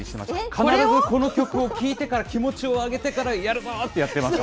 必ずこの曲を聴いてから、気持ちを上げてから、やるぞってやってました。